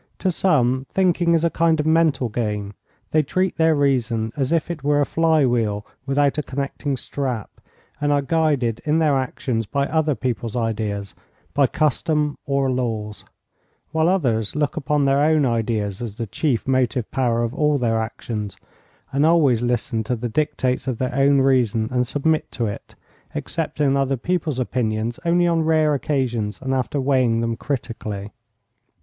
To some, thinking is a kind of mental game; they treat their reason as if it were a fly wheel without a connecting strap, and are guided in their actions by other people's ideas, by custom or laws; while others look upon their own ideas as the chief motive power of all their actions, and always listen to the dictates of their own reason and submit to it, accepting other people's opinions only on rare occasions and after weighing them critically.